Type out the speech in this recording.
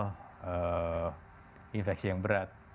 menjadi awal infeksi yang berat